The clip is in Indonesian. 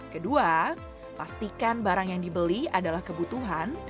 kedua pastikan barang yang dibeli adalah kebutuhan